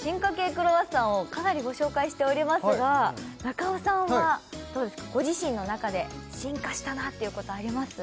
クロワッサンをかなりご紹介しておりますが中尾さんはどうですかご自身の中で進化したなっていうことあります？